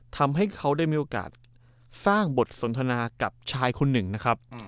ทำให้เขาได้มีโอกาสสร้างบทสนทนากับชายคนหนึ่งนะครับ